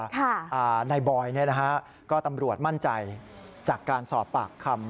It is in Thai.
นายบอยเนี่ยนะฮะก็ตำรวจมั่นใจจากการสอบปากคำ